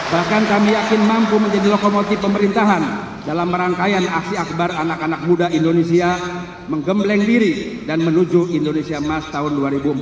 bahkan kami yakin mampu menjadi lokomotif pemerintahan dalam rangkaian aksi akbar anak anak muda indonesia menggembleng diri dan menuju indonesia emas tahun dua ribu empat puluh